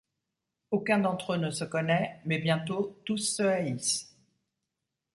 Aucun d'entre eux ne se connaît mais bientôt tous se haïssent.